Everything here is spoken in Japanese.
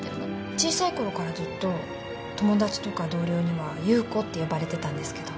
小さいころからずっと友達とか同僚には侑子って呼ばれてたんですけど。